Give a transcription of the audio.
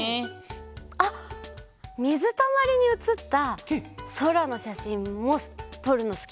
あっみずたまりにうつったそらのしゃしんもとるのすきだった。